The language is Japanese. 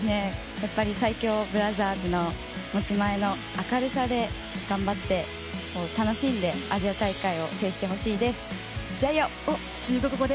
やっぱり最強ブラザーズの持ち前の明るさで頑張って、楽しんでアジア大会を制してほしいです。